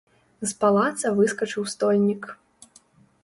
З палаца выскачыў стольнік.